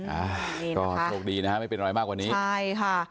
อ่าก็โชคดีนะฮะไม่เป็นอะไรมากกว่านี้ใช่ค่ะ